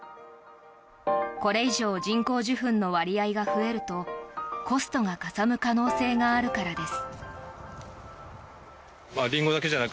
これ以上人工授粉の割合が増えるとコストがかさむ可能性があるからです。